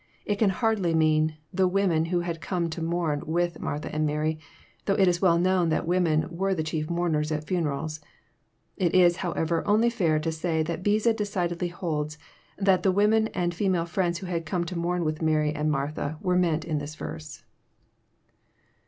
It can hardly mean, << the women who had come to mourn with Martha and Mary," though it is well known that women were the chief mourners at ftiner als. It is, however, only fair to say that Beza decidedly holds that the women and female frionds who had come to mourn with Mary and Martha are meant in this verse.